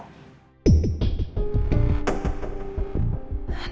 nino masih belum ngerti juga